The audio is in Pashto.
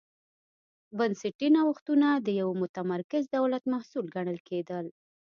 بنسټي نوښتونه د یوه متمرکز دولت محصول ګڼل کېدل.